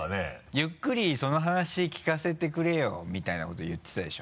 「ゆっくりその話聞かせてくれよ」みたいなこと言ってたでしょ？